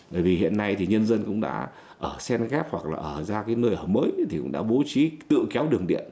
bởi vì hiện nay thì nhân dân cũng đã ở sen ghép hoặc là ở ra cái nơi ở mới thì cũng đã bố trí tự kéo đường điện